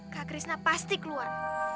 kak krisna pasti keluar